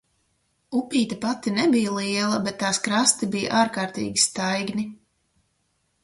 Upīte pati nebija liela, bet tās krasti bija ārkārtīgi staigni.